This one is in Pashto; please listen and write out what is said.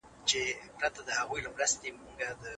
تاسو له ساده شیانو ډیر خوند اخلئ.